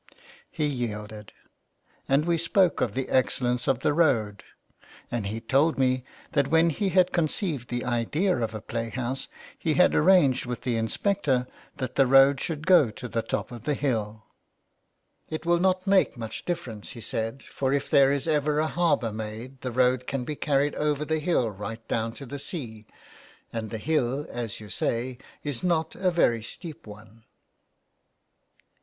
He yielded, and we spoke of the excellence of the road, and he told me that when he had conceived the idea of a play house, he had arranged with the inspector that the road should go to the top of the hill. " It will not make much difference," he said, " for if there is ever a harbour made the road can be carried over the hill right down to the sea, and the hill, as you say, is not a very steep one."